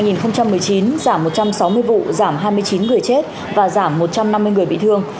giảm một trăm sáu mươi vụ giảm hai mươi chín người chết và giảm một trăm năm mươi người bị thương